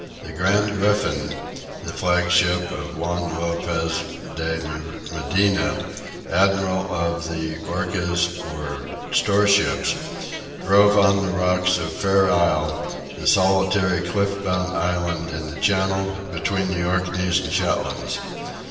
The "Gran Grifon," the flagship of Juan Lopez de Medina, admiral of the urcas or storeships, drove on the rocks of Fair Isle, the solitary cliff bound island in the channel between the Orkneys and Shetlands.